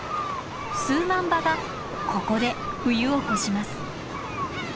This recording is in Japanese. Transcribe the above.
数万羽がここで冬を越します。